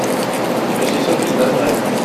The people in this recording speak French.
je suis sûr qu'ils aimeraient.